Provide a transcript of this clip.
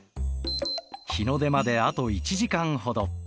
日の出まであと１時間ほど。